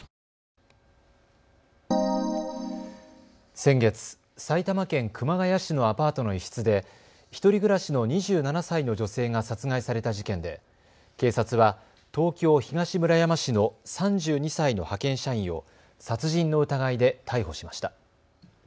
先月、埼玉県熊谷市のアパートの一室で１人暮らしの２７歳の女性が殺害された事件で警察は東京東村山市の３２歳の派遣社員を殺人の疑いで逮捕しました。